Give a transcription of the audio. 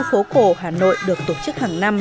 phố cổ hà nội được tổ chức hàng năm